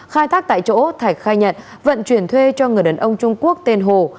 khai thác tại chỗ thạch khai nhận vận chuyển thuê cho người đàn ông trung quốc tên hồ